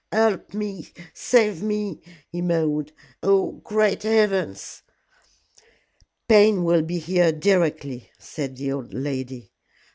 "Help me save me!" he moaned. "Oh, great heavens!" "Payne will be here directly," said the old lady.